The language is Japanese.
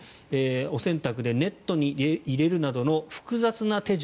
お洗濯でネットに入れるなどの複雑な手順